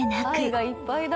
愛がいっぱいだ。